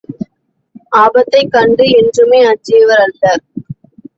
ஆபத்தைக் கண்டு என்றுமே அஞ்சியவரல்லர்.